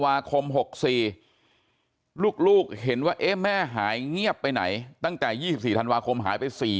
คม๖๔ลูกเห็นว่าเอ๊ะแม่หายเงียบไปไหนตั้งแต่๒๔ธันวาคมหายไป๔